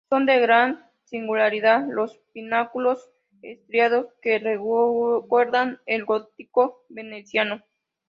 Son de gran singularidad los pináculos estriados que recuerdan el gótico veneciano.